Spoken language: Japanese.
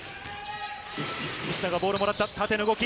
西田がボールをもらって縦の動き。